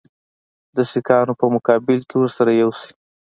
د سیکهانو په مقابل کې ورسره یو شي.